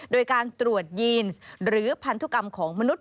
โดยการตรวจยีนหรือพันธุกรรมของมนุษย